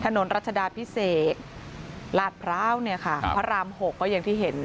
รัชดาพิเศษลาดพร้าวเนี่ยค่ะพระราม๖ก็อย่างที่เห็น